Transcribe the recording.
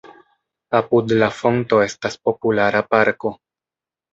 Apud la fonto estas populara parko.